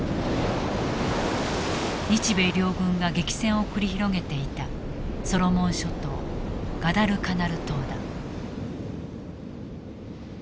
日米両軍が激戦を繰り広げていたソロモン諸島ガダルカナル島だ。